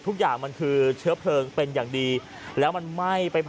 ทุกอย่างมันคือเชื้อเพลิงเป็นอย่างดีแล้วมันไหม้ไปหมด